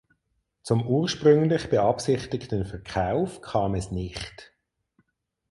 Zum ursprünglich beabsichtigten Verkauf kam es nicht.